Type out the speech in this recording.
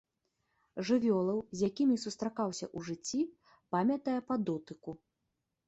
Жывёлаў, з якімі сустракаўся ў жыцці, памятае па дотыку.